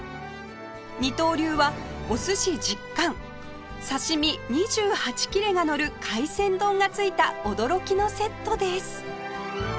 「二刀流」はお寿司１０貫刺し身２８切れがのる海鮮丼がついた驚きのセットです